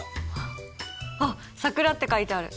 あっ「サクラ」って書いてある。